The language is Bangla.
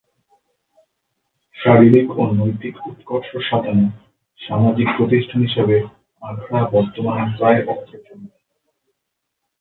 শারীরিক ও নৈতিক উৎকর্ষ সাধনে সামাজিক প্রতিষ্ঠান হিসেবে আখড়া বর্তমানে প্রায় অপ্রচলিত।